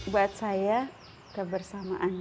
buat saya kebersamaan